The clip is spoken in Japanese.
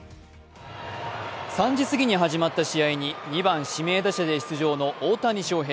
３時過ぎに始まった試合に２番・指名打者で出場の大谷翔平。